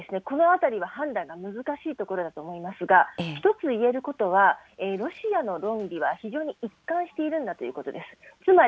このあたりは判断が難しいところだと思いますが、一つ言えることは、ロシアの論理は非常に一貫しているんだということです。